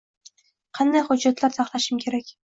Qanday hujjatlar taxlashim kerak?